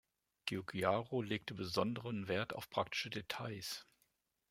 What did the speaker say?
Giugiaro legte besonderen Wert auf praktische Details.